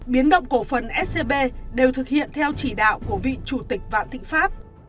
biến động cổ phần scb đều thực hiện theo chỉ đạo của vị chủ tịch vạn thịnh pháp